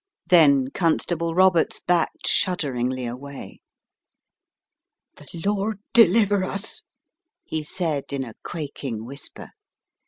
Then Constable Roberts backed shudderingly away. "The Lord deliver us," he said in a quaking whisper.